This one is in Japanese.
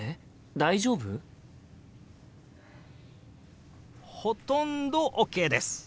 大丈夫？ほとんどＯＫです。